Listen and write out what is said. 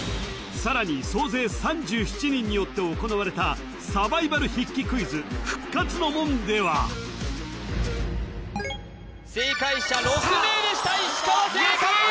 さらに総勢３７人によって行われたサバイバル筆記クイズでは正解者６名でした石川正解！